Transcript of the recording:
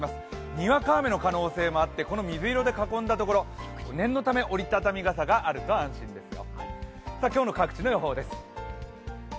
にわか雨の可能性もあって、この水色で囲んだ所、念のため、折り畳み傘があると安心ですよ。